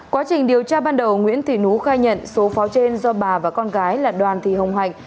quá trình điều tra ban đầu nguyễn thị nú khai nhận số pháo trên do bà và con gái là đoàn thị hồng hạnh